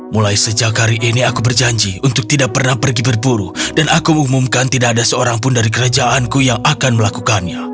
mulai sejak hari ini aku berjanji untuk tidak pernah pergi berburu dan aku mengumumkan tidak ada seorang pun dari kerajaanku yang akan melakukannya